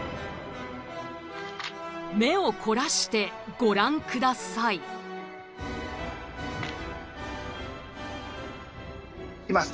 目を凝らしてご覧下さい。